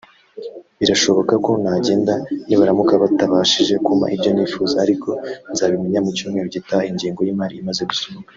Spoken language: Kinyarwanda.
Birashoboka ko nagenda nibaramuka batabashije kumpa ibyo nifuza ariko nzabimenya mu cyumweru gitaha ingengo y’imari imaze gusohoka